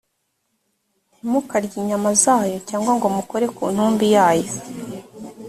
ntimukarye inyama zayo cyangwa ngo mukore ku ntumbi yayo.